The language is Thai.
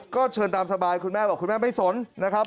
ก็เชิญตามสบายคุณแม่บอกคุณแม่ไม่สนนะครับ